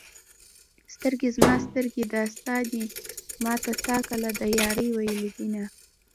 سترګې زما سترګې دا ستا دي ما تا ته کله د يارۍ ویلي دینه